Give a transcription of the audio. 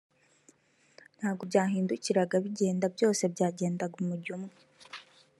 ntabwo byahindukiraga bigenda, byose byagendaga umujyo umwe